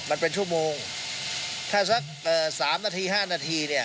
มันเป็นชั่วโมงถ้าสัก๓นาที๕นาทีเนี่ย